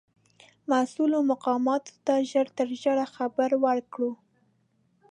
مسؤولو مقاماتو ته ژر تر ژره خبر ورکړو.